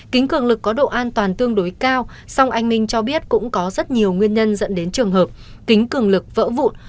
kính cường lực có độ an toàn tương đối cao song anh minh cho biết cũng có rất nhiều nguyên nhân dẫn đến trường hợp kính cường lực vỡ vụn